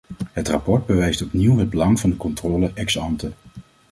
Het rapport bewijst opnieuw het belang van de controle ex ante.